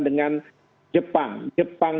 dengan jepang jepang